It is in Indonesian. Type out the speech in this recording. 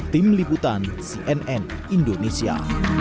tim liputan cnn indonesia